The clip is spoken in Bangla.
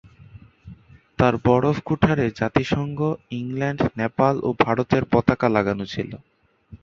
তার বরফ-কুঠারে জাতিসংঘ, ইংল্যান্ড, নেপাল ও ভারতের পতাকা লাগানো ছিল।